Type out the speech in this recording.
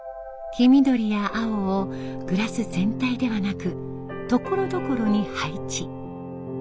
黄緑や青をグラス全体ではなくところどころに配置。